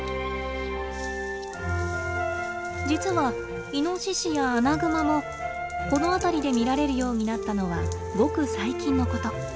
実はイノシシやアナグマもこの辺りで見られるようになったのはごく最近のこと。